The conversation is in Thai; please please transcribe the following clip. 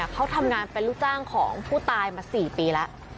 เขาทำงานเป็นลูกจ้างของผู้ตายมา๔ปีแล้ว